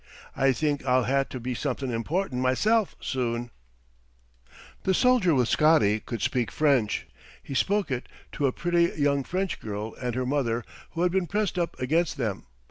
I think I'll hae tae be something important masel' sune." The soldier with Scotty could speak French. He spoke it to a pretty young French girl and her mother who had been pressed up against them.